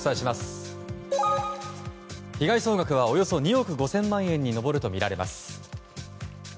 被害総額はおよそ２億５０００万円に上るとみられます。